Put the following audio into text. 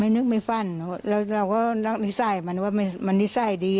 นึกไม่ฟันแล้วเราก็รักนิสัยมันว่ามันนิสัยดี